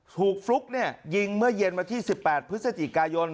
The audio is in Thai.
ถูกฟลุ๊กเนี่ยยิงเมื่อเย็นมาที่๑๘พฤศจิกายน